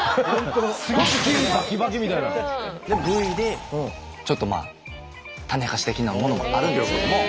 Ｖでちょっとまあ種明かし的なものもあるんですけども。